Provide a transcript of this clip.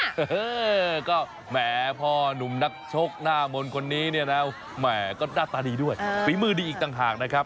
เออก็แหมพอหนุ่มนักชกหน้ามนต์คนนี้เนี่ยนะแหมก็หน้าตาดีด้วยฝีมือดีอีกต่างหากนะครับ